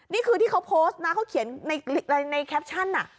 นี่คือที่เขาโพสต์นะเขาเขียนในแคปชั่น